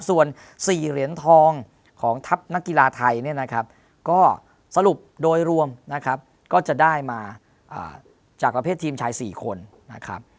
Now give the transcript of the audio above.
ส่วน๔เหรียญทองของทัพนักกีฬาไทยเนี่ยนะครับก็สรุปโดยรวมนะครับก็จะได้มาจากประเภททีมชาย๔คนนะครับ